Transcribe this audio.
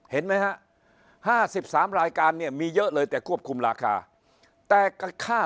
เห็นไหมฮะ๕๓รายการเนี่ยมีเยอะเลยแต่ควบคุมราคาแต่ค่า